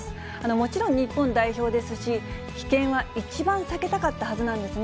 もちろん日本代表ですし、棄権は一番避けたかったはずなんですね。